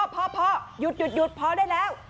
พอหยุดพอได้แล้ว